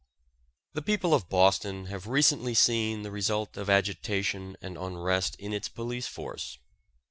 The people of Boston have recently seen the result of agitation and unrest in its police force.